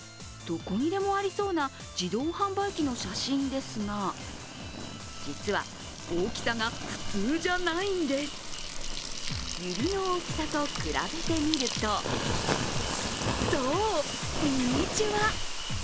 どこにでもありそうな自動販売機の写真ですが実は、大きさが普通じゃないんです指の大きさと比べてみるとそう、ミニチュア。